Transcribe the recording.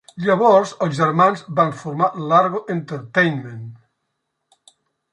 Llavors els germans van formar Largo Entertainment.